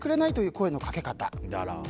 声のかけ方。